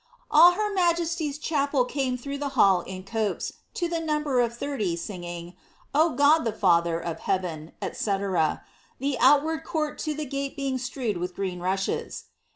" All her majesty's chapel came hrough the hall in copes, to the number of thirty, singing, ^ O God the father, of heaven, &c., the outward court to the gate being strewed ■riih green rushes.